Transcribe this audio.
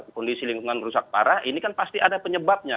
kondisi lingkungan rusak parah ini kan pasti ada penyebabnya